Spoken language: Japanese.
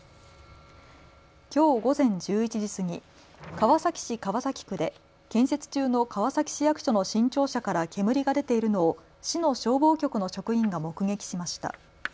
きょう午前１１時過ぎ川崎市川崎区で建設中の川崎市役所の新庁舎から煙が出ているのを市の消防局の職員が目撃しました。